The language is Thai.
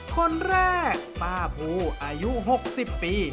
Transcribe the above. คนแรกป้าภูอายุหกสิบปี